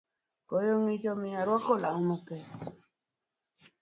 Koyo ng’ich omiyo arwako law mapek